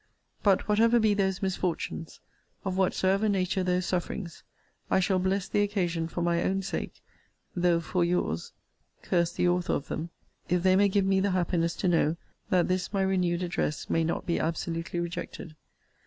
But whatever be those misfortunes, of whatsoever nature those sufferings, I shall bless the occasion for my own sake (though for your's curse the author of them,) if they may give me the happiness to know that this my renewed address may not be absolutely rejected.